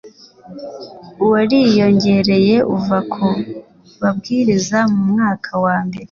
wariyongereye uva ku babwiriza mu mwaka wa mbere